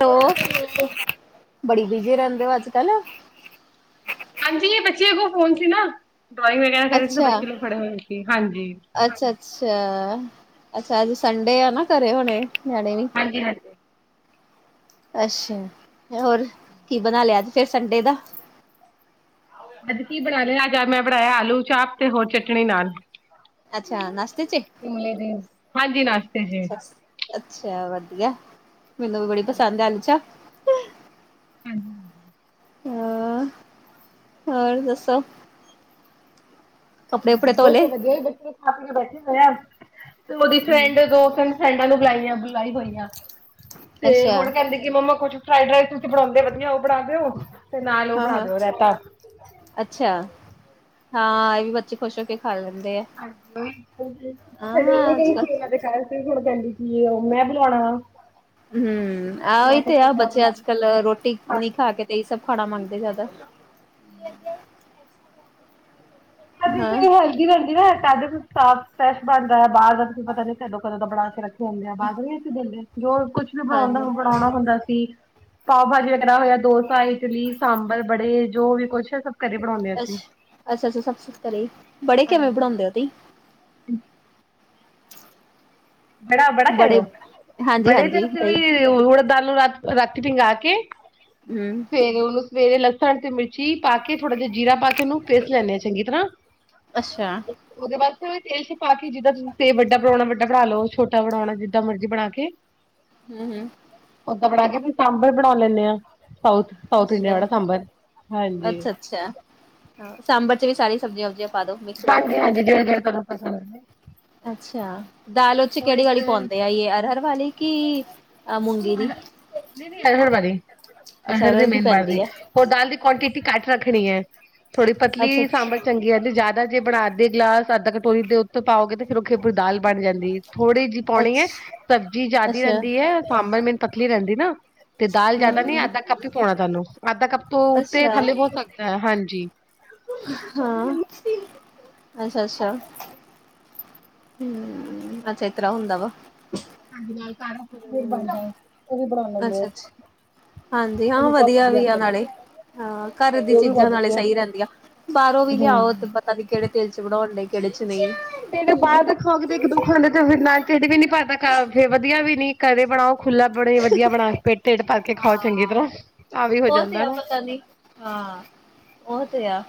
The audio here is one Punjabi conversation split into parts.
ਤੋ। ਹੈਲੋ। ਬੜੀ ਬਿਜੀ ਰੈਂਦੇ ਔ ਅੱਜ ਕੱਲ। ਹਂਜੀ, ਇਹ ਬੱਚੇ ਕੋਲ ਫੋਨ ਸੀ ਨਾ ਡਰੋਇੰਗ ਵਗੈਰਾ ਕਰੇ ਸੀ ਅੱਛਾ ਬੱਚੇ ਨੂੰ ਖੜੇ ਹੋਏ ਸੀ ਹਂਜੀ। ਅੱਛਾ, ਅੱਛਾ, ਅੱਛਾ ਅੱਜ ਸੰਡੇ ਆ ਨਾ ਘਰੇ ਹੋਨੇ ਨਿਆਨੇ ਵੀ। ਹਂਜੀ, ਹਂਜੀ। ਅੱਛਾ ਹੋਰ ਕੀ ਬਨਾ ਲਿਆ ਤੇ ਫੇਰ ਸੰਡੇ ਦਾ। ਅੱਜ ਕੀ ਬਨਾ ਲਿਆ ਅਜ ਮੈਂ ਬਨਾਆ ਆਲੂ ਚਾਹਪ ਤੇ ਹੋਰ ਚਟਨੀ ਨਾਲ। ਅੱਛਾ ਨਾਸ਼ਤੇ ਚ ਹਂਜੀ ਅਜ ਈਨਾਸ਼ਤੇ ਚ। ਅੱਛਾ ਵਧੀਆ ਮੈਨੂੰ ਵੀ ਬੜੀ ਪਸੰਦ ਐ ਆਲੂਚਾਟ। ਹਾਂਜੀ। ਹਾਂ। ਹੋਰ ਦੱਸੋ। ਕੱਪੜੇ ਕੁਪੜੇ ਹਾਂ ਧੋ ਉਹ ਚ ਲਏ ਵੇ ਗਿਆ ਬੱਚੇ ਥਾਪ ਕੇ ਬੈਠੇ ਹੋਏ ਆ ਤੇ ਔਦੀ ਫਰੈਂਡ ਦੋ ਤਿੰਨ ਫਰੈਂਡ ਨੂੰ ਬੁਲਾਈਆਂ ਬੁਲਾਈ ਹੋਈਆਂ ਤੇ ਅੱਛਾ ਹੁਨ ਕੈਂਦੇ ਮੰਮਾ ਕੁਛ ਫਰਾਈਡ ਰਾਈਸ ਤੁਸੀਂ ਬਨਾਦੇ ਵਧੀਆ ਔਹ ਬਨਾ ਦਿਔ ਤੇ ਨਾਲ ਔਹ ਹਾਂ ਬਨਾ ਹਾਂ ਦਿਔ ਰੈਤਾ। ਅੱਛਾ ਹਾਂ ਏਹ ਵੀ ਬੱਚੇ ਖੁਸ਼ ਹੋ ਕੇ ਖਾ ਲੈਂਦੇ ਆ। [inaudible] ਐਸੇ ਹਾਂ ਅੱਜ ਕੱਲ ਹੁਨ ਕੈਂਦੀ ਸੀ ਔ ਮੈਂ ਬੁਨਵਾਨਾ। ਹੂੰ ਆਹੀ ਤੇ ਆ ਬੱਚੇ ਬਣਾ ਅੱਜ ਲਈ ਕੱਲ ਰੋਟੀ ਨੀ ਖਾ ਹਾਂਜੀ ਕੇ ਤੇ ਏਹੀ ਸਭ ਖਾਨਾ ਮੰਗਦੇ ਜੈ਼ਦਾ। [inaudible] ਅਜੇ ਤੇ ਹਾਂ, ਹੈਲਪ। ਜਿਵੇਂ ਜਿਵੇਂ ਕੱ ਸਾਫ਼ ਫਰੈਸ਼ ਬਨਦਾ ਹਾ ਬਾਰ ਦਾ ਤੁਸੀਂ ਪਤਾ ਨੀ ਕਦੋਂ ਕਦੋਂ ਦਾ ਬਨਾ ਕੇ ਰੱਖੇ ਹੁੰਦੇ ਆ ਬਾਰ ਵੀ ਅਸੀਂ ਦਿੰਦੇ। ਜੋ ਕੁਛ ਵੀ ਬਨਾਨਾ ਉਂਦਾ ਹਾਂਜੀ ਬਨਾਨਾ ਹੁੰਦਾ ਸੀ। ਪਾਔ ਭਾਜੀ ਵਗੈਰਾ ਹੋਇਆ ਡੋਸਾ ਇਟਲੀ ਸਾਂਬਰ ਬੜੇ ਜੋ ਵੀ ਕੁੱਛ ਸਭ- ਘਰੇ ਬਣਾਉਂਦੇ ਅਸੀਂ ਅੱਛਾ, ਅੱਛਾ, ਅੱਛਾ ਸਭ ਘਰੇ ਬੜੇ ਕਿਵੇਂ ਬਨਾਦੇ ਹਾਂਜੀ ਤੁਸੀ। [inaudible] ਬੜਾ ਬੜਾ ਕਹਿ ਬੜੇ ਲੋ ਹਾਂਜੀ ਬੜੇ ਹਾਂਜੀ ਦਹੀਂ ਦੇ ਉੜਦ ਦਾਲ ਨੂੰ ਰਾਤ ਨੂੰ ਰੱਖਕੇ ਹੂੰ। ਫੇਰ ਉਨੂੰ ਸਵੇਰੇ ਲਸਨ ਤੇ ਮਿਰਚੀ ਪਾ ਕੇ ਥੋੜਾ ਜਿਹਾ ਜੀਰਾ ਪਾ ਕੇ ਉਨੂੰ ਪੇਸ ਲੈਂਦੇ ਹਾਂ ਚੰਗੀ ਤਰਾਂ ਅੱਛਾ। ਓਦੇ ਵਾਸਤੇ ਤੇਲ ਚ ਪਾਕੇ ਜਿੱਦਾਂ ਤੁਸੀ ਤੇਲ ਵੱਡਾ ਬਣਾਉਣਾ ਵੱਡਾ ਬਨਾ ਲੋ। ਛੋਟਾ ਬਣਾਉਣਾ ਜਿੱਦਾਂ ਮਰਜ਼ੀ ਬਣਾ ਕੇ ਹੂੰ। ਓਦਾਂ ਬਣਾ ਕੇ ਸਾਂਬਰ ਬਣਾ ਲੈਂਦੇ ਆ। ਸਾਊਥ ਸਾਊਥ ਇੰਡੀਆ ਅੱਛਾ, ਵਾਲਾ ਸਾਂਬਰ, ਹਾਂਜੀ। ਅੱਛਾ। ਹਾਂ ਸਾਂਬਰ ਚ ਵੀ ਸਾਰੀ ਸਬਜ਼ੀਆਂ ਵੁਜੀਆ। [unintelligible] [unintelligible] ਅੱਛਾ, ਦਾਲ ਓਚ ਹੋਰ ਕਿਹੜੀ ਇੱਕ ਵਾਲੀ ਪਾਉਂਦੇ ਆ ਅਰਹਰ ਵਾਲੀ ਕਿ ਮੂੰਗੀ ਦੀ? ਨਈ- ਨਈ ਅਰਹਰ ਵਾਲੀ ਅੱਛਾ ਅਰਹਰ ਦੀ ਮੇਨ ਪਾਈ ਦੀ। ਪੈਂਦੀ ਹੈ। ਹੋਰ ਦਾਲ ਦੀ ਕੁਆਂਟਿਟੀ ਘੱਟ ਰੱਖਨੀ ਅ। ਥੋੜ੍ਹੀ ਪਤਲੀ ਅੱਛਾ ਸਾਂਬਰ ਅੱਛਾ, ਚੰਗੀ ਹੈ ਤੇ ਜਾਦਾ ਅੱਧ ਜੇ ਬਣਾਤੀ ਗਲਾਸ ਅੱਧਾ ਕਟੋਰੀ ਦੇ ਉੱਤੇ ਪਾਓਗੇ ਤੇ ਫੇਰ ਉਖੇ ਪੂਰੀ ਦਾਲ ਬਣ ਜਾਂਦੀ ਏ। ਥੋੜੀ ਜਿਹੀ ਪਾਉਣੀ ਹੈ ਅੱਛ ਸਬਜ਼ੀ ਜ਼ਿਆਦੀ ਅੱਛਾ ਰਹਿੰਦੀ ਹੈ ਸਾਂਬਰ ਮੈਨ ਪਤਲੀ ਰਹਿੰਦੀ ਨਾ। ਤੇ ਦਾਲ ਜਾਦਾ ਨੀ ਹੂੰ। ਅੱਧਾ ਕੱਪ ਹੀ ਪਾਉਣਾ ਤੁਹਾਨੂੰ ਅੱਧਾ ਕੱਪ ਤੋਂ ਉੱਤੇ ਅੱਛਾ ਥੱਲੇ ਹੋ ਸਕਦਾ ਹੈ ਹਾਂਜੀ। ਹਾਂ,, ਅੱਛਾ-ਅੱਛਾ। ਹੂੰ, ਅੱਛਾ ਏਤਰਾ ਹੁੰਦਾ ਵਾ। ਹਾਂਜੀ, ਸਾਰਾ ਕੁਛ ਫੇਰ ਬਨਦਾ ਏ ਓਹ ਬਣਾ ਲੈਂਦੇ ਆ। ਅੱਛਾ ਅੱਛਾ ਹਾਂਜੀ, ਉਹ ਹਾਂ ਬਹੁਤ ਵਧੀਆ ਵੀ ਆ ਬਣਦਾ ਹੈ। ਨਾਲੇ ਹਾਂ ਘਰ ਦੀ ਹਾਂਜੀ ਉਹ ਵੀ ਚੀਜ਼ਾਂ ਬਹੁਤ ਨਾਲੇ ਸਹੀ ਵਧੀਆ ਰੇਂਦੀਆਂ। ਬਾਹਰੋਂ ਵੀ ਹੂੰ। ਲਿਆਓ ਪਤਾ ਨਹੀਂ ਕਿਹੜੇ ਤੇਲ ਚ ਬਣਾਉਣ ਲਈ ਕਿਹੜੇ ਚ ਨਈ। ਤੇਨੂੰ ਬਾਹਰ ਦਾ ਖਾਓਗੇ ਤੇ ਇੱਕ ਦੋ ਖਾਂਦੇ ਤੇ ਫਿਰ ਟੀਡ ਵੀ ਨੀ ਪਰਦਾ ਖਾਓਗੇ ਵਧੀਆ ਵੀ ਨੀ ਘਰੇ ਬਣਾਓ। ਖੁੱਲਾ ਬਨੇ, ਵਧੀਆ ਬਣਾ ਕੇ ਫੇਰ ਟੇਡ ਭਰ ਕੇ ਖਾਓ ਚੰਗੀ ਤਰ੍ਹਾਂ ਆ ਵੀ ਹੋ ਉਹ ਤੇ ਜਾਂਦਾ ਆ ਹਨਾ। ਪਤਾ ਹਾਂ ਓਹ ਤੇ ਆ,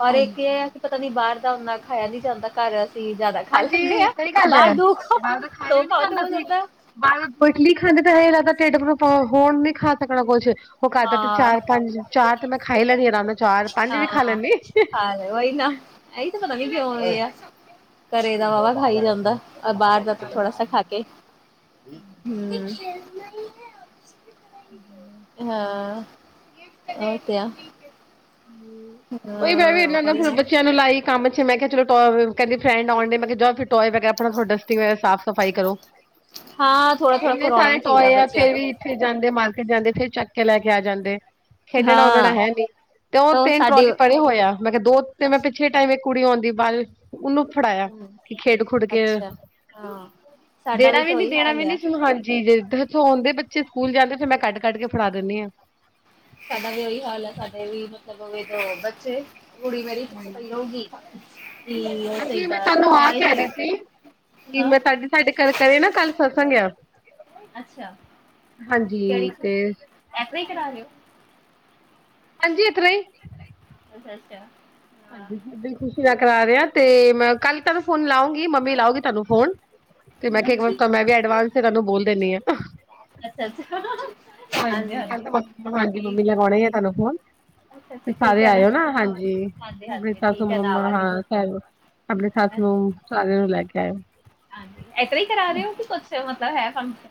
ਔਰ ਹਾਂਜੀ। ਇੱਕ ਇਹ ਪਤਾ ਨੀ ਬਾਹਰ ਦਾ ਉਨਾ ਖਾਇਆ ਨੀ ਜਾਂਦਾ ਘਰ ਅਸੀ ਜਾਦਾ ਖਾ ਲੈਂਦੇ ਹਾਂਜੀ ਆ। ਸਹੀ ਗੱਲ ਬਾਹਰ ਹੈ ਦੋ ਖਾਓ ਬਾਹਰ ਦਾ ਖਾਇਆ ਦੋ ਵੀ ਨੀ ਖਾਓ ਤੇ ਹੋ ਸੀ। ਜਾਂਦਾ ਬਾਹਰ ਇਡਲੀ ਖਾਂਦੇ ਤਾਂ ਏਦਾਂ ਲੱਗਦਾ ਟੇਡ ਨੂੰ ਹੋਣ ਨੀ ਖਾ ਸਕਣਾ ਕੋਛ। ਉਹ ਕਰਦਾ ਤੇ ਹਾਂ ਚਾਰ ਪੰਜ ਚਾਰ ਤੇ ਮੈਂ ਖਾ ਈ ਲੈਨੀ ਆਂ ਆਰਾਮ ਨਾਲ ਚਾਰ ਪੰਜ ਵੀ ਖਾ ਹਾਂ ਲੈਂਨੀ। ਹਾਂ ਉਹੀ ਨਾ ਇਹੀ ਤਾਂ ਪਤਾ ਨੀ ਕਿਉਂ ਵੀ ਆ, ਘਰੇ ਦਾ ਵਾਹਵਾ ਖਾਈ ਜਾਂਦਾ ਬਾਹਰ ਥੋੜਾ ਸਾ ਖਾ ਕੇ ਹੂੰ। [inaudible] ਹਾਂ, ਓਹ ਤੇ ਆ। ਉਹੀ ਮੈਂ ਵੀ ਹਾਂ ਇਹਨਾਂ ਉਹੀ ਫੇਰ ਨਾ ਬੱਚਿਆਂ ਨੂੰ ਲਾਈ ਕੰਮ ਚ ਮੈਂ ਕਿਹਾ ਚਲੋ ਟ ਕੈਂਦੇ ਫਰੈਂਡ ਆਉਣ ਡੇ ਮੈ ਕਯਾ ਜਾ ਫੇਰ ਟੋਏ ਵਗੈਰਾ ਆਪਣਾ ਧੋੜਾ ਡਸਟੀਗ ਵਗੈਰਾ ਸਾਫ਼ ਸਫ਼ਾਈ ਕਰੋ। ਹਾਂ ਥੋੜਾ ਥੋੜਾ ਇੰਨੇ ਕਰਾਉਣਾ ਸਾਰੇ ਵੀ ਚਾਹੀਦਾ ਟੋਏ ਆ ਬੱਚਿਆਂ ਫੇਰ ਤੋਂ ਵੀ ਜੀਥੇ ਜਾਂਦੇ ਮਾਰਕੀਟ ਜਾਂਦੇ ਫੇਰ ਚੱਕ ਕੇ ਲੈ ਕੇ ਆ ਜਾਂਦੇ ਖੇਡਣਾ-ਉੱਡਣਾ ਹਾਂ ਹੈ ਨੀ। ਤੇ ਉਹ ਤਾਂ ਤਿੰਨ ਸਾਡੇ ਟਰੋਲੀ ਪਰੇ ਹੋਏ ਆ, ਮੈਂ ਕਿਹਾ ਦੋ ਤੇ ਮੈਂ ਪਿੱਛੇ ਟਾਈਮ ਇੱਕ ਕੁੜੀ ਆਉਂਦੀ ਬਾਅ ਉਹਨੂੰ ਫੜਾਇਆ ਕਿ ਖੇਡ ਖੁਡ ਕੇ ਅੱਛਾ ਹਾਂ। ਸਾਡਾ ਦੇਣਾ ਵੀ ਤਾਂ ਨੀ, ਉਹੀ ਦੇਣਾ ਹਾਲ ਵੀ ਨੀ ਆ ਕਿਸੀ ਨੂੰ ਹਰ ਚੀਜ ਸੋ ਹੋਂਦੇ ਬੱਚੇ ਸਕੂਲ ਜਾਂਦੇ ਫਿਰ ਮੈਂ ਕਾੱਢ ਕਾੱਢ ਕੇ ਫੜਾ ਦਿੰਦੀ ਆ। ਸਾਡਾ ਵੀ ਉਹੀ ਹਾਲ ਹੈ ਸਾਡੇ ਵੀ ਮਤਲਬ ਦੋ ਬੱਚੇ ਕੁੜੀ ਮੇਰੀ ਪਿੱਛੇ ਪਈ ਰਓਗੀ। ਕੀ ਜੀ ਮੈਂ ਤੁਹਾਨੂੰ ਆਹ ਕਹ ਰਹੀ ਸੀ, ਕਿ ਹਾਂ ਮੈਂ ਤੁਹਾਡੀੇ ਸਾਡੇ ਘਰ ਕਰੇ ਨਾ ਕੱਲ ਸਤਸੰੰਗ ਆ। ਅੱਛਾ ਹਾਂਜੀ ਤੇ ਐਸਰਾ ਇ ਕਰਾ ਰੇ ਓ। ਹਾਂਜੀ ਏਤਰਾ ਈ ਅੱਛਾ-ਅੱਛਾ। ਹਾਂਜੀ ਬਿਲਕੁਲ ਖੁਸ਼ੀ ਦਾ ਕਰਾ ਰਿਆ ਤੇ ਮੈਂ ਕੱਲ ਤਾਨੂੰ ਫੋਨ ਲਾਉਂਗੀ, ਮੰਮੀ ਲਾਉਗੀ ਤਾਨੂੰ ਫੋਨ ਤੇ ਮੈਂ ਕੇਆ ਇੱਕ ਵਾਰ ਮੈਂ ਵੀ ਐਡਵਾਂਸ ਤੇ ਤਾਨੂੰ ਬੋਲ ਦੇਨੀ ਆ। ਅੱਛਾ-ਅੱਛਾ। ਹਾਂਜੀ ਕਲ ਤੇ ਮੰਮੀ ਹਾਂਜੀ ਮੰਮੀ ਲਗਾਉਨਾ ਈ ਏ ਤਾਨੂੰ ਫੋਨ ਅੱਛਾ ਅੱਛਾ ਠੀਕ ਸਾਰੇ ਹੈ ਆਏਓ ਨਾ ਹਾਂਜੀ, ਆਵਾਂਗੇ। ਹਾਂਜੀ ਅਪਨੇ ਹਾਂਜੀ ਸਾਸੂ ਠੀਕ ਹੈ ਤਾਂ ਮੰਮਾ ਆਵਾਂਗੇ ਹਾਂ ਸਬ ਅਪਨੀ ਸੱਸ ਹਾਂਜੀ ਨੂੰ ਸਾਰੇਆਂ ਨੂੰ ਲੈ ਕੇ ਆਏਓ। ਹਾਂਜੀ ਏਸਰਾਂ ਈ ਕਰਾ ਰਏ ੳ ਕਿ ਕੁਛ ਮਤਲਬ ਹੈ ਫੰਕਸ਼ਨ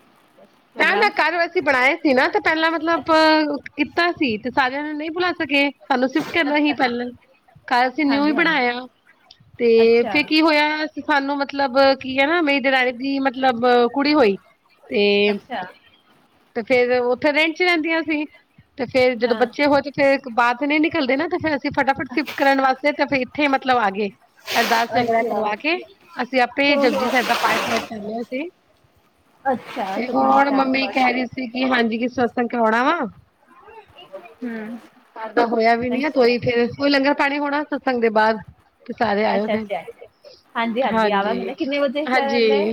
ਨਾ-ਨਾ ਪ੍ਰੋਗਰਾਮ ਘਰ ਵਸੀ ਬਨਾਏ ਸੀ ਨਾ ਤੇ ਪੈਲਾਂ ਮਤਲਬ, ਅੱਛਾ ਕੀਤਾ ਸੀ ਤੇ ਸਾਰੇਆਂ ਨੂੰ ਨਈ ਬੁਲਾ ਸਕੇ। ਸਾਨੂੰ ਸ਼ਿਫਟ ਕਰਨਾ ਅੱਛਾ ਸੀ ਅੱਛਾ ਪੈਲਾਂ, ਘਰ ਅਸੀ ਨਿਊ ਈ ਹਾਂਜੀ ਹਾਂਜੀ ਬਨਾਏਆ। ਤੇ ਅੱਛਾ ਫੇਰ ਕੀ ਹੋਏਆ ਸਾਨੂੰ ਮਤਲਬ ਕੀ ਐ ਨਾ ਮੇਰੀ ਦੇਰਾਨੀ ਦੀ ਮਤਲਬ ਕੁੜੀ ਹੋਈ ਤੇ ਅੱਛਾ ਤੇ ਫੇਰ ਓਥੇ ਰੈੰਟ ਚ ਰੈਂਦੀਆਂ ਸੀ ਤੇ ਫੇਰ ਜਦੋਂ ਹਾਂ ਬੱਚੇ ਹੋਏ ਤੇ ਫੇਰ ਬਾਹਰ ਤੇ ਨਈ ਨਿਕਲਦੇ ਨਾ, ਤੇ ਫੇਰ ਅਸੀ ਫਟਾਫਟ ਸਿਫਟ ਕਰਨ ਵਾਸਤੇ ਤੇ ਫੇਰ ਏਥੇ ਮਤਲਬ ਆ ਗਏ। ਅਰਦਾਸ ਵਗੈਰਾ ਅੱਛਾ ਕਰਵਾ ਕੇ, ਅਸੀ ਆਪੇ ਹੋ ਹੋ ਜਪਜੀ ਸਾਹਿਬ ਦਾ ਪਾਠ ਵਾਠ ਕਰ ਲਿਆ ਸੀ ਅੱਛਾ ਤੇ ਸੁਖਮਨੀ ਹੋਨ ਸਾਹਿਬ ਮੰਮੀ ਕੈ ਪਾਠ ਰੀ ਸੀ, ਕਿ ਹਾਂਜੀ ਕਿ ਸਤਸੰਗ ਕਰਵਾਨਾ ਵਾ। ਹਮ ਘਰ ਦਾ ਹੋਇਆ ਵੀ ਨਈ ਆ ਅੱਛਾ ਕੋਈ ਫੇਰ ਓਹੀ ਲੰਗਰ ਪਾਨੀ ਹੋਨਾ ਸਤਸੰਗ ਦੇ ਬਾਦ ਤੇ ਸਾਰੇ ਆਏਓ ਅੱਛਾ ਜੇ। ਅੱਛਾ ਹਾਂਜੀ, ਆਵਾਂਗੇ ਨਾ ਕਿੰਨੇ ਵਜੇ ਹਾਂਜੀ ਕਰਨ ਡੇ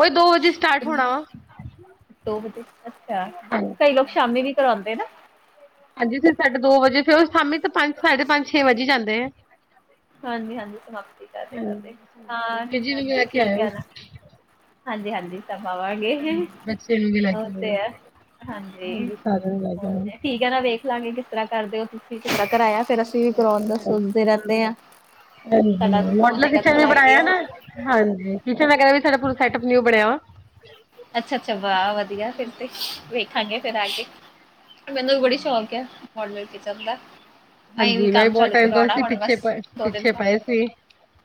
ਓਹੀ ਦੋ ਵਜੇ ਸਟਾਰਟ ਹੋਨਾ ਵਾ। ਦੋ ਵਜੇ ਅੱਛਾ। ਕਈ ਲੋਕ ਹਾਂਜੀ। ਸ਼ਾਮੀ ਵੀ ਕਰਾਂਦੇ ਨਾ। ਹਾਂਜੀ ਜੀ, ਸਾਡੇ ਦੋ ਵਜੇ ਫੇਰ ਓਹ ਸ਼ਾਮੀ ਤੇ ਪੰਜ- ਸਾਢੇ ਪੰਜ- ਛੇ ਵਜ ਈ ਜਾਂਦੇ ਆ। ਹਾਂਜੀ-ਹਾਂਜੀ, ਸਮਾਪਤੀ ਕਰਦੇ-ਕਰਦੇ ਹਾਂਜੀ। ਹਾਂ, ਬੀਜੀ ਨੂੰ ਵੀ ਹਾਂਜੀ ਲੈ ਕੇ ਠੀਕ ਆਇਓ, ਏ ਨਾ। ਹਾਂਜੀ, ਹਾਂਜੀ ਸਬ ਆਵਾਂਗੇ। ਬੱਚੇ ਨੂੰ ਵੀ ਲੈ ਓ ਕੇ ਆਇਓ। ਤੇ ਹੈ। ਹਾਂਜੀ ਸਾਰਿਆਂ ਨੂੰ ਲੈ ਕੇ ਓਹ ਤੇ ਠੀਕ ਆਵਾਂਗੇ। ਠੀਕ ਐ ਨਾ ਵੇਖ ਲਾਂਗੇ ਕਿਸਰਾਂ ਕਰਦੇ ੳ ਤੁਸੀ ਕਿਸਰਾ ਕਰਾਏਆ ਫੇਰ ਅਸੀਂ ਵੀ ਕਰੋਨ ਦਾ ਸੋਚਦੇ ਰੇੰਦੇ ਆਂ। ਹਾਂਜੀ ਮੋਡਲਰ ਕਿਚਨ ਵੀ ਬਨਾਏਆ ਆਈਡੀਆ ਹੋ ਨਾ, ਜਾਏਗਾ ਹਾਂਜੀ। ਸੀ਼ਸੇ਼ ਵਗੇਰਾ ਵੀ ਪੂਰਾ ਸੈਟਅਪ ਨਿਉ ਬਨਆ ਵਾ। ਅੱਛਾ-ਅੱਛਾ ਵਾਹ ਵਧੀਆ ਫੇਰ ਤੇ ਵੇਖਾਂਗੇ ਫੇਰ ਆ ਕੇ। ਮੈਨੂੰ ਵੀ ਬੜੀ ਸ਼ੌਕ ਏ ਮੋਡਲਰ ਕਿਚਨ ਦਾ। ਅਹੀ ਵੀ ਹਾਂਜੀ ਮੈਂ ਕੰਮ ਬਹੁਤ ਚਾਲੂ ਟਾਈਮ ਤੋਂ ਕਰਵਾਉਣਾ ਅਸੀਂ ਹੁਨ ਪਿੱਛੇ ਬਸ ਪ ਦੋ ਦਿਨ ਪਿੱਛੇ ਬਾਦ। ਪਏ ਸੀ।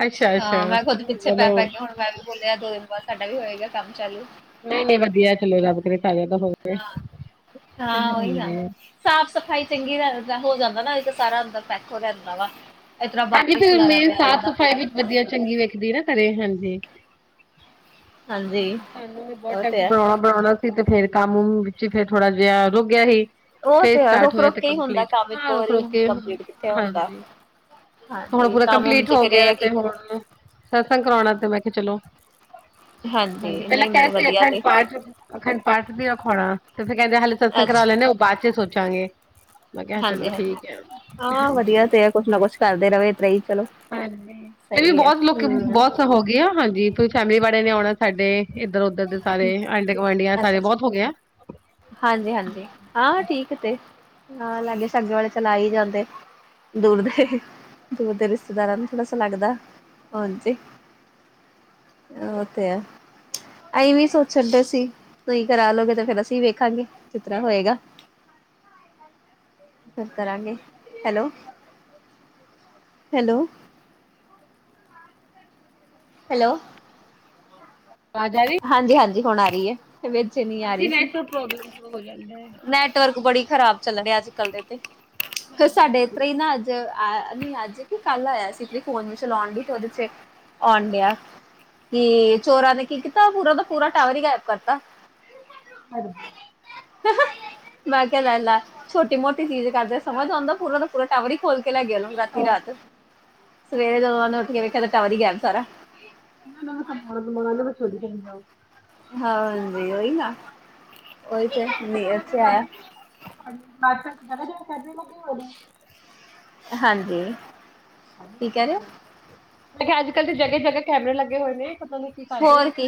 ਅੱਛਾ-ਅੱਛਾ ਅ ਮੈਂ ਖੁਦ ਪਿੱਛੇ ਚਲੋ ਪੈ-ਪੈ ਕੇ ਹੁਨ ਮੈਂ ਵੀ ਬੋਲੇਆ, ਦੋ ਦਿਨ ਬਾਦ ਸਾਡਾ ਵੀ ਹੋਏਗਾ ਕੰਮ ਚਾਲੂ। ਨਈ-ਨਈ ਵਧੀਆ ਚਲੋ ਰੱਬ ਕਰੇ ਸਾਰੇਆਂ ਦਾ ਹੋਵੇ, ਹਾਂ ਹਾਂਜੀ। ਸਾਫ਼-ਸਫ਼ਾਈ ਚੰਗੀ ਤਰਾ ਹੋ ਜਾਂਦਾ ਨਾ, ਇਹ ਤੇ ਸਾਰਾ ਅੰਦਰ ਪੈਕ ਰੈਂਦਾ ਵਾ। ਏਸਰਾਂ ਹਾਂਜੀ ਬਾਹਰ ਫਿਰ ਖਿਲਾਰਾ ਮੇਨ ਪੇਆ ਸਾਫ਼ ਰੈਂਦਾ ਸਫ਼ਾਈ ਪੂਰਾ। ਵਿੱਚ ਵਧੀਆ ਚੰਗੀ ਵੇਖਦੀ ਏ ਨਾ ਘਰੇ ਹਾਂਜੀ। ਹਾਂਜੀ ਤਾਨੂੰ ਵੀ ਬੋਤ ਉਹ ਟੈਮ ਤੇ ਤੋ ਹੈ ਬਨੋਨਾ ਬਨਾਨਾ ਸੀ ਤੇ ਫੇਰ ਕੰਮ ਵਿੱਚ ਫੇਰ ਥੋੜਾ ਜੇਆ ਰੁਕ ਗੇਆ ਸੀ। ਉਹ ਫੇਰ ਤੇ ਹੈ ਸਟਾਰਟ ਰੁਕ ਹੋਏਆ ਰੁਕ ਤੇ ਕੇ ਹੀ ਹੁੰਦਾ ਕੰਪਲੀਟ ਕੰਮ ਇੱਕ ਹਾਂ ਰੁਕ- ਵਾਰੀ ਰੁਕ ਹੁਣ ਕੇ, ਕੰਪਲੀਟ ਕਿੱਥੇ ਹੁੰਦਾ ਹਾਂਜੀ। ਹੁਨ ਹਾਂਜੀ ਪੂਰਾ ਕੰਮ ਉਮ ਕੰਪਲੀਟ ਚ ਹੋ ਫਿਰ ਇਹ ਗਿਆ ਆ ਤੇ ਕਿ ਹੁਨ ਸਤਸੰਗ ਕਰਾਉਣਾ ਤੇ ਮੈਂ ਕੇਆ ਚਲੋ ਹਾਂਜੀ ਪੈਲਾਂ ਨਹੀਂ ਕੇਆ ਨਹੀਂ ਸੀ ਵਧੀਆ ਅਖੰਡ ਤੇ ਪਾਠ ਅਖੰਡ ਪਾਠ ਸੀ ਰਖਵਾਨਾ ਤੇ ਫੇਰ ਕੈਂਦੇ ਹਾਲੇ ਸਤਸੰਗ ਕਰਾ ਅੱਛਾ ਲੇਨੇ ਆ, ੳਹ ਬਾਦ ਚ ਸੋਚਾਂਗੇ। ਮੈਂ ਕੇਆ ਹਾਂਜੀ ਚਲੋ ਹਾਂਜੀ ਠੀਕ ਐ, ਹਾਂ ਵਧੀਆ ਹਾਂਜੀ। ਤੇ ਕੁਛ ਨਾ ਕੁਛ ਕਰਦੇ ਰਵੇ ਏਤਰਾ ਈ ਚਲੋ। ਹਾਂਜੀ ਫ ਵੀ ਸਹੀ ਹੈ ਬੋਤ ਲੋਕ ਹਮ ਬੋਤ ਸ ਹੋ ਗਈ ਆ, ਹਾਂਜੀ ਪੂਰੀ ਫੈਮਿਲੀ ਵਾਲੇ ਨੇ ਔਣਾ ਸਾਡੇ। ਇੱਧਰ-ਉਧਰ ਦੇ ਸਾਰੇ ਆਂਢੇ ਗੁਆਂਢੀਆਂ ਸਾਰੇ ਬੋਤ ਹੋ ਗਿਆ। ਹਾਂਜੀ-ਹਾਂਜੀ ਹਾਂ ਠੀਕ ਤੇ ਹਾਂ ਲਾਗੇ-ਸ਼ਾਗੇ ਵਾਲੇ ਚਲ ਆ ਈ ਜਾਂਦੇ। ਦੂਰ ਦੇ, ਦੂਰ ਦੇ ਰਿਸ਼ਤੇਦਾਰਾਂ ਨੂੰ ਥੋੜਾ ਸ ਲੱਗਦਾ ਹਾਜੀ। ਔ ਤੇ ਐ। ਅਹੀਂ ਵੀ ਸੋਚਣ ਸਕਦੇ ਸੀ ਸਈ ਕਰਾ ਲੋ ਗੇ ਤੇ ਫੇਰ ਅਸੀਂ ਵੇਖਾਂਗੇ ਕਿਤਰ੍ਹਾਂ ਹੋਏਗਾ। ਫੇਰ ਕਰਾਂਗੇ ਹੈਲੋ। ਹੈਲੋ। ਹੈਲੋ। ਆਵਾਜ਼ ਆ ਰਹੀ ਹਾਂਜੀ-ਹਾਂਜੀ ਹੁਣ ਆ ਰੀ ਐ ਵਿੱਚ ਨੀ ਆ ਹਾਂਜੀ ਰੀ ਸੀ। ਨੈਟਵਰਕ ਪ੍ਰੋਬਲਮ ਹੋ ਜਾਂਦਾ ਐ। ਨੈਟਵਰਕ ਬੜੀ ਖ਼ਰਾਬ ਚੱਲਣ ਦੇ ਅੱਜ ਕੱਲ ਦੇ ਤੇ ਫਿਰ ਹਾਂਜੀ ਸਾਡੇ ਹਾਂਜੀ ਇਤਰਾ ਈ ਨਾ ਆਆ ਨਈ ਅੱਜ ਕਿ ਕੱਲ ਆਇਆ ਸੀ ਜੀ ਫੋਨ ਨੂੰ ਚਲਾਉਣ ਲੀ ਤੇ ਉਹਦੇ ਚ ਓਣ ਡਿਆ। ਟੀ ਚੋਰਾਂ ਨੇ ਕੀ ਕੀਤਾ ਪੂਰਾ ਦਾ ਪੂਰਾ ਟਾਵਰ ਈ ਗੈਬ ਕਰਤਾ। [unintelligible] ਹਹਾ ਮੈਂ ਕਿਆ ਲੈਲੈ ਛੋਟੀ ਮੋਟੀ ਚੀਜ਼ ਕਰਦੇ ਸਮਝ ਆਉਂਦਾ ਪੂਰਾ ਦਾ ਪੂਰਾ ਟਾਵਰ ਈ ਖੋਲ ਕੇ ਲੈ ਗੇ ਓ ਲੋ ਦਾ ਅੱਧੀ ਰਾਤ। ਸਵੇਰੇ ਜਦੋਂ ਉਹਨਾ ਉੱਠ ਕੇ ਵੇਖਿਆ ਤਾਂ ਟਾਵਰ ਈ ਗੈਬ ਸਾਰਾ। [inaudible] ਹਾਂਜੀ ਉਈ ਨਾ, ਉਈ ਪਤਾ ਤੇ ਕਿੱਦਾਂ ਨੀ ਪਹਿਲਾਂ ਤੇ ਐਥੇ ਆਇਆ। ਦਾਦੀ [inaudible] ਹਾਂਜੀ, ਕੀ ਕਹਿ ਰੇ ਓ? ਮੈਂ ਕਿਆ ਅਜ-ਕੱਲ ਤੇ ਜਗਾ-ਜਗਾ ਕੈਮਰੇ ਲੱਗੇ ਹੋਏ ਨੇ ਪਤਾ ਨੀ ਕੀ ਕਰਦੇ ਹੋਰ ਕੀ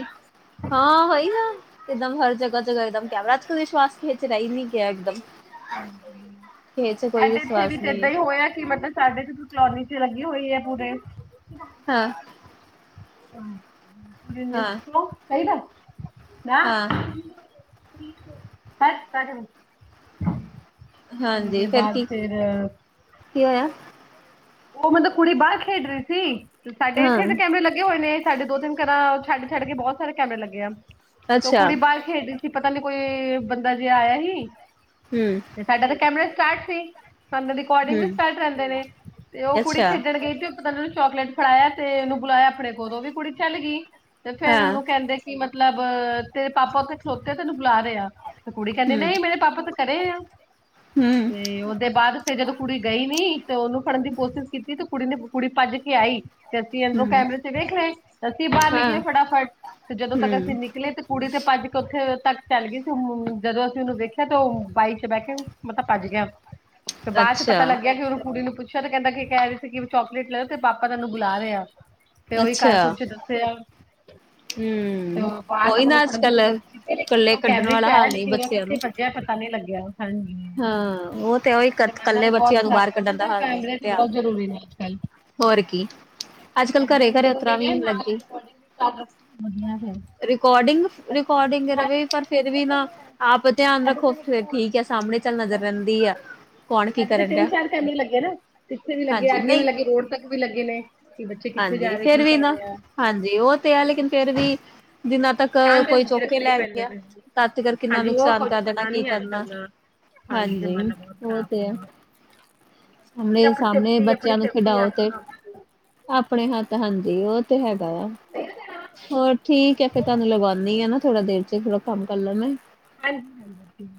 ਹਾਂ ਹੋਹੀ ਨਾ। ਇੱਕਦਮ ਹਰ ਜਗਾ-ਜਗਾ ਕੈਮਰਾ ਅਜ ਕਲ ਵਿਸ਼ਵਾਸ ਕਿਹਾ ਚ ਰੇ ਈ ਨੀ ਗਿਆ ਇੱਕਦਮ। ਹਾਂਜੀ, ਅਜ ਇੱਥੇ ਵੀ ਤੇ ਏਦਾਂ ਹੀ ਹੋਇਆ ਕਿ ਮਤਲਬ ਸਾਡੇ ਕਲੋਨੀ ਚ ਲੱਗੇ ਹੋਈ ਐ ਪੂਰੇ। ਹਾਂ ਹਾਂ [unintelligible] ਚਾਈਦੈ ਨਾ। ਹਾਂ ਤੇ ਹਾਂਜੀ ਉਹਦੇ ਫਿਰ ਬਾਦ ਕੀ ਫੇਰ ਕੀ ਹੋਇਆ? ਉਹ ਮਤਲਬ ਕੁੜੀ ਬਾਰ ਖੇਡ ਰੀ ਸੀ ਤੇ ਸਾਡੇ ਇੱਥੇ ਵੀ ਹਾਂ ਕੈਮਰੇ ਲੱ ਲੱਗੇ ਹੋਏ ਨੇ ਸਾਡੇ ਦੋ ਤਿੰਨ ਘਰਾਂ ਛੱਡ-ਛੱਡ ਕੇ ਬੋਤ ਸਾਰੇ ਕੈਮਰੇ ਲੱਗੇ ਆ ਅੱਛਾ ਕੁੜੀ ਬਾਰ ਖੇਡਦੀ ਸੀ, ਪਤਾ ਨੀ ਕੋਈ ਬੰਦਾ ਜੇਹਾ ਆਇਆ ਹੀ। ਹੂੰ ਸਾਡਾ ਤੇ ਕੈਮਰਾ ਸਟਾਰਟ ਸੀ, ਸਾਨੂੰ ਰਿਕੋਡਿੰਗ ਵੀ ਹਮ ਸਟਾਰਟ ਰਹਿੰਦੇ ਨੇ, ਤੇ ਓ ਕੁੜੀ ਅੱਛਾ ਖੇਡਣ ਗਈ ਸੀ ਉਹ ਪਤਾ ਉਹਨ ਨੂੰ ਚੋਕਲੇਟ ਫੜਾਇਆ ਤੇ ਉਹਨੂੰ ਬੁਲਾਇਆ ਆਪਣੇ ਕੋਲੋਂ ਵੀ ਕੁੜੀ ਚਲ ਗੀ। ਤੇ ਫੇਰ ਹਾਂ ਉਹਨੂੰ ਕਹਿੰਦੇ ਕਿ ਮਤਲਬ ਤੇਰੇ ਪਾਪਾ ਉੱਥੇ ਖਲੋਤੇ ਤੈਨੂੰ ਬੁਲਾ ਰੇ ਆ। ਤੇ ਕੁੜੀ ਕਹਿੰਦੀ ਹਮ ਨਈ ਮੇਰੇ ਪਾਪਾ ਤੇ ਕਰੇ ਆ, ਹਮ ਤੇ ਉਹਦੇ ਬਾਦ ਤੇ ਜਦੋਂ ਕੁੜੀ ਗਈ ਨੀ ਤੇ ਉਹਨੂੰ ਫੜਨ ਦੀ ਕੋਸ਼ਿਸ਼ ਕੀਤੀ ਤੇ ਕੁੜੀ ਨੇ ਕੁੜੀ ਪਾਜ ਕੇ ਆਈ। ਤੇ ਅਸੀਂ ਅੰਦਰੋਂ ਹਮ ਕੈਮਰੇ ਚ ਵੇਖ ਰੇ, ਅਸੀਂ ਬਾਰ ਹਾਂ ਨਿਕਲੇ ਫਟਾਫਟ ਤੇ ਜਦੋਂ ਤੱਕ ਅਸੀਂ ਹਮ ਨਿਕਲੇ ਤੇ ਕੁੜੀ ਤੇ ਭੱਜ ਕੇ ਉੱਥੇ ਤੱਕ ਚੱਲ ਗਈ ਸੀ, ਜਦੋਂ ਅਸੀਂ ਉਹਨੂੰ ਦੇਖਿਆ ਤੇ ਉਹ ਬਾਈਕ ਚ ਬਹਿ ਕੇ ਮਲਬ ਪਾਜ ਗਿਆ। ਫੇਰ ਬਾਦ ਚ ਅੱਛਾ ਪਤਾ ਲੱਗਿਆ, ਕਿ ਉਹਨੂੰ ਕੁੜੀ ਨੂੰ ਪੁੱ ਛਿਆ ਤੇ ਕਹਿੰਦਾ ਕਿ ਕਹਿ ਰਹੇ ਸੀ, ਕਿ ਚੋਕਲੇਟ ਲੈਓ ਤੇ ਪਾਪਾ ਤੈਨੂੰ ਬੁਲਾ ਰਿਹਾ ਆ। ਤੇ ਉਹੀ ਘਰ ਅੱਛਾ ਚ ਕੁਛ ਦਸਿਆ। ਹਮ ਬਾਹਰ ਤਾ ਉਹੀ ਓਨੁ ਨਾ ਅੱਜ ਪੜ੍ਹਨ ਦੀ ਕੱਲ ਕੋਸ਼ਿਸ਼ ਕੀਤੀ ਲੇਕਿਨ ਕੱਲੇ ਉਹ ਕੱਢਣ ਕੈਬ੍ਰਿਜ ਚ ਵਾਲਾ ਸ਼ਹਿਰ ਹਾਲ ਨੀ ਲੇਕਿਨ ਉਹ ਬੱਚਿਆਂ ਕਿੱਥੇ ਨੂੰ ਗਿਆ ਪਤਾ ਨੀ ਲੱਗਿਆ, ਹਾਂਜੀ। ਹਾਂ, ਉਹ ਤੇ ਉਹੀ ਕ ਜ਼ਮਾਨਾ ਕੱਲੇ ਵੀ ਬਹੁਤ ਬੱਚਿਆਂ ਨੂੰ ਖ਼ਰਾਬ ਬਾਹਰ ਹੈ ਨਾ ਕੱਢਣ ਦਾ ਤਾਂ ਹਾਲ ਕੈਮਰੇ ਵੀ ਬਹੁਤ ਧਿਆਨ, ਜ਼ਰੂਰੀ ਨੇ ਅੱਜ ਹੋਰ ਕੀ। ਅੱਜ ਕੱਲ ਇਨੇ ਘਰੇ ਵੀ ਘਰੇ ਜਦੋ ਉਤਰਾਂ ਕਿਹਾ ਨਾਲ ਲੱਗੀ ਰਿਕਾਰਡਿੰਗ ਵੀ ਚਲ, ਵਾਦੀਆਂ ਫੇਰ। ਰਿਕਾਰੋਡਿੰਗ-ਰਿਕਾਰਡਿੰਗ ਰਵੇ ਪਰ ਤੇ ਫੇਰ ਵੀ ਬਹੁਤ ਨਾ ਆਪ ਕੈਮਰੇ ਧਿਆਨ ਸਾਡੇ ਰੱਖੋ ਤੇ ਫਿਰ ਮਤਲਬ ਠੀਕ ਹੈ। ਸਾਹਮਣੇ ਚੱਲ ਨਜ਼ਰ ਰਹਿੰਦੀ ਆ। ਕੌਣ ਕੀ ਸਾਡੇ ਤੇ ਕਰਨ ਤਿੰਨ ਡਿਆ ਚਾਰ ਕੈਮਰੇ ਲੱਗੇ ਨਾ, ਪਿੱਛੇ ਵੀ ਲੱਗੇ, ਹਾਂਜੀ ਅੱਗੇ ਵੀ ਨਹੀਂ ਲੱਗੇ, ਰੋਡ ਤੱਕ ਵੀ ਲੱਗੇ ਨੇ। ਕਿ ਬੱਚੇ ਕਿੱਥੇ ਹਾਂਜੀ ਜਾ ਰੇ ਫਿਰ ਕੀ ਵੀ ਕਰ ਨਾ ਰਹੇ ਆ? ਹਾਂਜੀ, ਉਹ ਤੇ ਹੈ ਲੇਕਿਨ ਫੇਰ ਵੀ ਜਿਨਾਂ ਤੱਕ ਤੋ ਧਿਆਨ ਤੇ ਕੋਈ ਲੱਗੇ ਚੌਕੇੇ ਰੱਖਣੇ ਹੀ ਲੈ ਕੇ ਪੈਂਦੇ ਗਿਆ, ਨੇ ਤਾ ਤੇ ਕਿੰਨਾ ਹਾਂਜੀ ਉਹ ਨੁਕਸਾਨ ਕੁਝ ਕਰ ਦੇਣਾ ਪਤਾ ਕੀ ਨਹੀਂ ਅੱਜ ਕਰਨਾ। ਕੱਲ੍ਹ ਦਾ ਹਾਂਜੀ, ਜ਼ਮਾਨਾ ਬਹੁਤ ਉਹ ਖ਼ਰਾਬ ਤੇ ਹੋ ਹੈ। ਗਿਆ ਵਾ ਹੁਣ ਤੇ ਵੇ ਆਪਣੀ ਸਾਹਮਣੇ ਸੇਫਟੀ ਆਪਣੀ ਬੱਚਿਆਂ ਨੂੰ ਸੇਫਟੀ ਖਿਡਾਓ ਆਪ ਤੇ ਆਪ- ਆਪਣੇ ਹੱਥ ਹਾਂਜੀ, ਉ ਤੇ ਹੈਗਾ ਆ ਹੋਰ ਠੀਕ ਹੈ, ਫਿਰ ਤੁਹਾਨੂੰ ਲਗਾਉਦੀ ਆ ਨਾ ਥੋੜਾ ਦੇਰ ਚ ਥੋੜਾ ਕੰਮ ਕਰ ਲੈਂ ਮੈ। ਹਾਂਜੀ- ਹਾਂਜੀ।